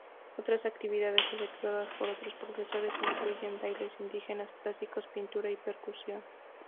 Otras actividades, efectuadas por otros profesores, incluyen bailes indígenas clásicos, pintura y percusión.